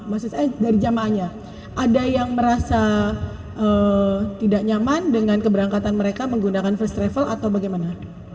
maksud saya dari jamaahnya ada yang merasa tidak nyaman dengan keberangkatan mereka menggunakan first travel atau bagaimana